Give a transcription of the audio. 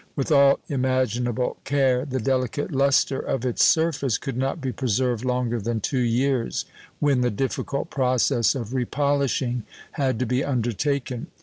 With all imaginable care, the delicate lustre of its surface could not be preserved longer than two years, when the difficult process of repolishing had to be undertaken.